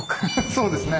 そうですね